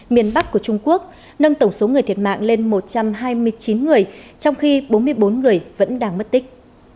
miền bắc của trung quốc nâng tổng số người thiệt mạng lên một trăm hai mươi chín người trong khi bốn mươi bốn người vẫn đang mất tích